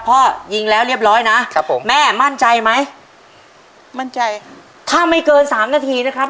พ่อยิงแล้วเรียบร้อยนะครับผมแม่มั่นใจไหมมั่นใจถ้าไม่เกินสามนาทีนะครับ